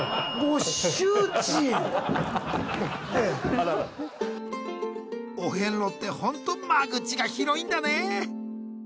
あららお遍路ってホント間口が広いんだね